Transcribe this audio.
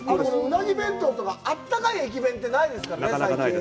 鰻弁当とか温かい駅弁ってないですからね、最近。